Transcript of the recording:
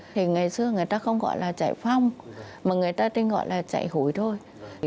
thì ngày xưa người ta không gọi là chạy phong mà người ta tên gọi là chạy hủi thôi